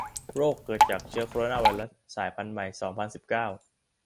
โรค เกิดจากเชื้อโคโรนาไวรัส สายพันธุ์ใหม่ สองพันสิบเก้า